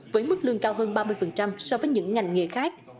với mức lương cao hơn ba mươi so với những ngành nghề khác